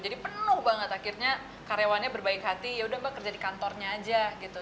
jadi penuh banget akhirnya karyawannya berbaik hati yaudah mbak kerja di kantornya aja gitu